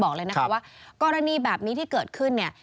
บอกเลยนะคะว่ากรณีแบบนี้ที่เกิดขึ้นเนี่ย